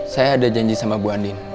saya ada janji sama bu andin